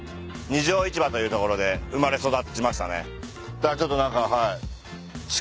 だからちょっと何かはい。